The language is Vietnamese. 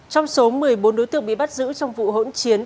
trong số một mươi bốn đối tượng bị bắt giữ trong vụ hỗn chiến